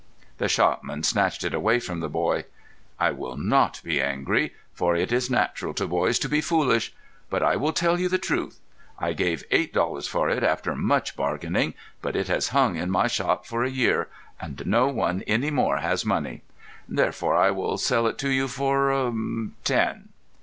The shopman snatched it away from the boy. "I will not be angry, for it is natural to boys to be foolish. But I will tell you the truth. I gave eight dollars for it after much bargaining. But it has hung in my shop for a year, and no one any more has money. Therefore, I will sell it to you for ten."